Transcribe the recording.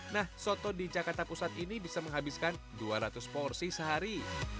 nah soto di jakarta pusat ini bisa menghabiskan dua ratus porsi sehari